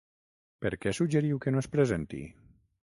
Per què suggeriu que no es presenti?